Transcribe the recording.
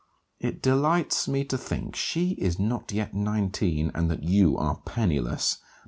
It delights me to think she is not yet nineteen, and that you are pennyless.